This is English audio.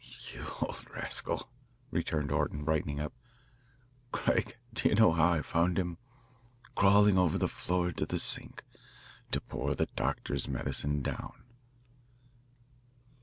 "You old rascal," returned Orton, brightening up. "Craig, do you know how I found him? Crawling over the floor to the sink to pour the doctor's medicine down."